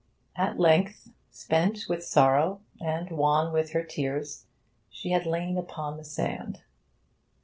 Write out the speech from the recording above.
At length, spent with sorrow and wan with her tears, she had lain upon the sand.